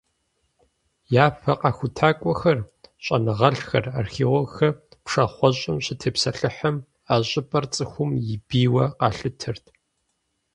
Япэ къэхутакӏуэхэр, щӏэныгъэлӏхэр, археологхэр пшахъуэщӏым щытепсэлъыхьым, а щӏыпӏэр цӏыхум и бийуэ къалъытэрт.